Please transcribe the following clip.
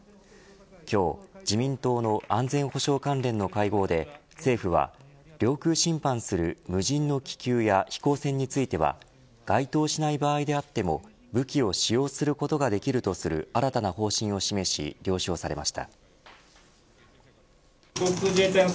今日、自民党の安全保障関連の会合で政府は領空侵犯する無人の気球や飛行船については該当しない場合であっても武器を使用することができるとする新たな方針を示し了承されました。